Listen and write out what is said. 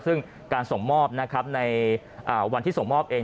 ซึ่งการส่งมอบนะครับในวันที่ส่งมอบเอง